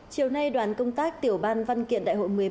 chiều nay đoàn công tác tiểu ban văn kiện đại hội một mươi ba